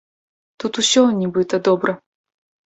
Тут усё, нібыта, добра.